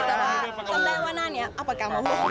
แต่ว่าทำได้ว่าน่านี้อัปกามะวง